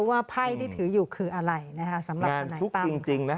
ว่าไพท์ที่ถืออยู่คืออะไรสำหรับธนัยตั้ม